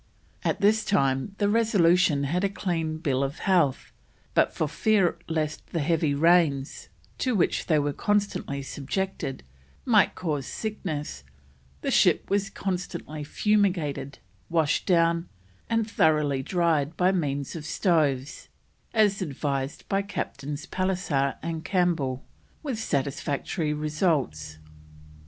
At this time the Resolution had a clean bill of health, but for fear lest the heavy rains, to which they were continually subjected, might cause sickness, the ship was constantly fumigated, washed down, and thoroughly dried by means of stoves, as advised by Captains Pallisser and Campbell, with satisfactory results.